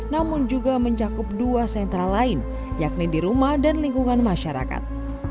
namun juga mencakup dua sentra lain yakni di rumah dan lingkungan masyarakat